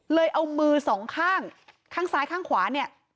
เอามือสองข้างข้างซ้ายข้างขวาเนี่ย